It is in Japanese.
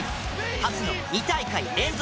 初の２大会連続